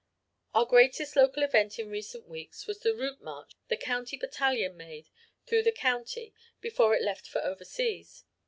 "Our greatest local event in recent weeks was the route march the county battalion made through the county before it left for overseas.